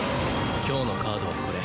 今日のカードはこれ。